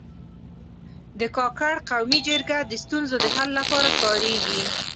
د کاکړ قومي جرګه د ستونزو د حل لپاره کارېږي.